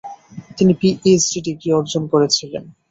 তিনি PhD degree অর্জন করেছিলেন।